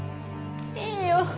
いいよ。